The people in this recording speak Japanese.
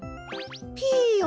ピーヨン